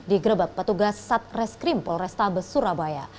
digerebek petugas satres krim polresta besurabaya